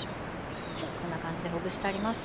はいこんな感じでほぐしてあります。